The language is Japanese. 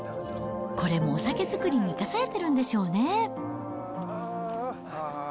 これもお酒造りに生かされてるんでしょうね。